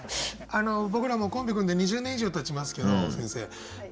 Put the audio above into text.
僕らもコンビ組んで２０年以上たちますけど先生